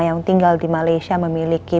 yang tinggal di malaysia memiliki